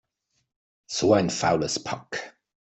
So ein faules Pack!